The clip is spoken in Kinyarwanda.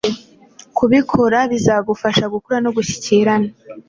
Kubikora bizagufaha gukura noguhyikirana